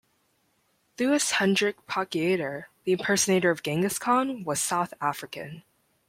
Louis Hendrik Potgieter, the impersonator of Genghis Khan, was South African.